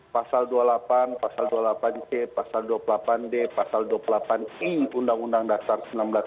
pasal dua puluh delapan pasal dua puluh delapan c pasal dua puluh delapan d pasal dua puluh delapan i undang undang dasar seribu sembilan ratus empat puluh lima